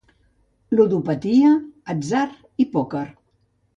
Ludopatia, atzar i pòquer.